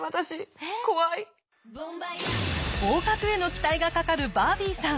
合格への期待がかかるバービーさん。